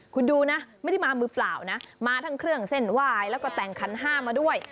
คุณดูนะไม่ได้มามือเปล่านะมาทั้งเครื่องเส้นไหว้แล้วก็แต่งขันห้ามาด้วย